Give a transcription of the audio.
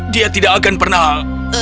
dia tidak akan pernah